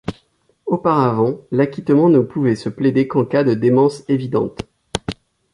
Auparavant, l'acquittement ne pouvait se plaider qu'en cas de démence évidente.